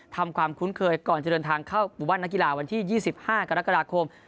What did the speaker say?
ทำความคุ้นเคยก่อนจะเดินทางเข้าหมู่บ้านนักกีฬาวันที่๒๕กรกฎาคม